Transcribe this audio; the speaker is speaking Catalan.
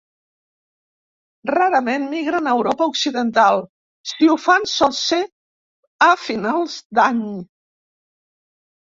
Rarament migren a Europa occidental; si ho fan sol ser a finals d'any.